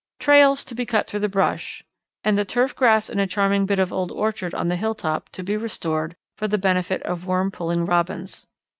"Trails to be cut through the brush and the turf grass in a charming bit of old orchard on the hilltop, to be restored for the benefit of worm pulling Robins.